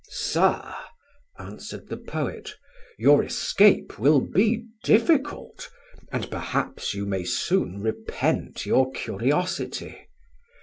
"Sir," answered the poet, "your escape will be difficult, and perhaps you may soon repent your curiosity.